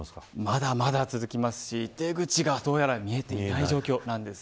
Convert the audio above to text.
まだまだ続きますし出口が見えていない状況なんです。